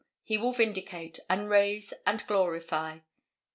He will vindicate, and raise and glorify."